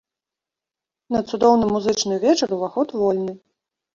На цудоўны музычны вечар уваход вольны!